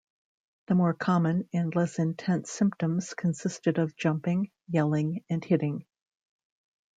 The more common and less intense symptoms consisted of jumping, yelling, and hitting.